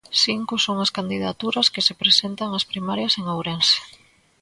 Cinco son as candidaturas que se presentan ás primarias en Ourense.